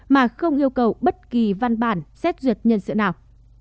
mà không yêu cầu bất kỳ văn bản xét duyệt nhân sự nào